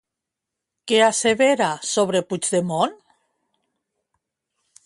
Què assevera sobre Puigdemont?